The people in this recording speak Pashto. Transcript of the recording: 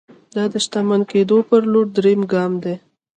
دا د شتمن کېدو پر لور درېيم ګام دی.